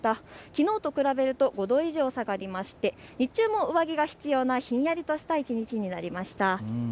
きのうと比べると５度以上下がりまして日中も上着が必要なひんやりとした一日になりました。